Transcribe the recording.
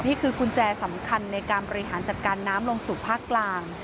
กุญแจสำคัญในการบริหารจัดการน้ำลงสู่ภาคกลาง